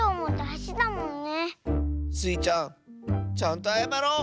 スイちゃんちゃんとあやまろう！